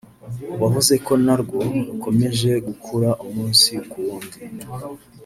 wavuze ko narwo rukomeje gukura umunsi ku wundi